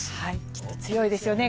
きっと強いですよね